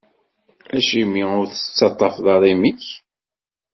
Acimi ur tettaṭṭafeḍ ara imi-k?